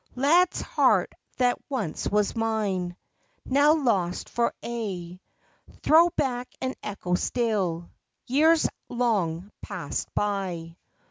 Lad's heart that once was mine, Now lost for aye; Throw back an echo still Years long passed by.